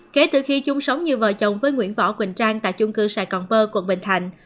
kể từ khi chung sống như vợ chồng với nguyễn võ quỳnh trang tại chung cư sài gòn pơ quận bình thạnh